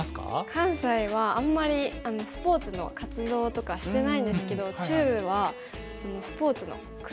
関西はあんまりスポーツの活動とかしてないんですけど中部はスポーツのクラブ活動がすごい活発ですね。